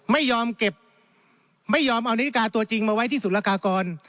ไม่ยอมเก็บไม่ยอมเอานาฬิกาตัวจริงมาไว้ที่สุรกากร